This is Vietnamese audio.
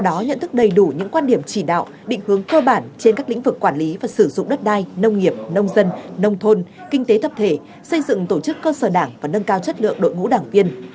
đó nhận thức đầy đủ những quan điểm chỉ đạo định hướng cơ bản trên các lĩnh vực quản lý và sử dụng đất đai nông nghiệp nông dân nông thôn kinh tế thập thể xây dựng tổ chức cơ sở đảng và nâng cao chất lượng đội ngũ đảng viên